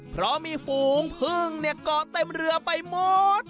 เพราะมีฝูงพึ่งเกาะเต็มเรือไปหมด